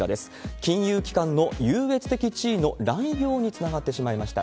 金融機関の優越的地位の地位の乱用につながってしまいました。